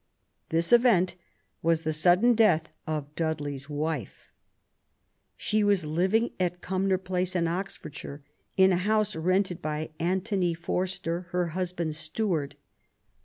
This event was the sudden death of Dudley's wife. She was living at Cumnor Place, in Oxford shire, in a house rented by Antony Forster, her husband's steward.